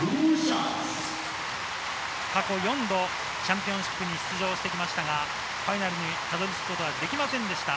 過去４度、チャンピオンシップに出場してきましたが、ファイナルにたどり着くことはできませんでした。